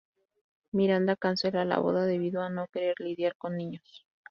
Miranda cancela la boda debido a no querer lidiar con niños.